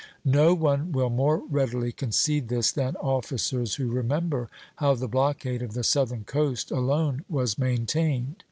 No one will more readily concede this than officers who remember how the blockade of the Southern coast alone was maintained.